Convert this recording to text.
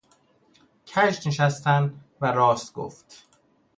کژ نشستن و راست گفت